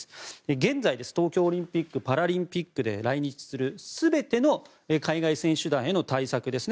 現在、東京オリンピック・パラリンピックで来日する全ての海外選手団への対策ですね。